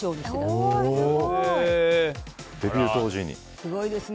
すごいですね